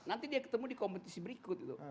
nanti dia ketemu di kompetisi berikut